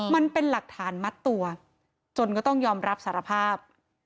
มันเป็นหลักฐานมัดตัวจนก็ต้องยอมรับสารภาพ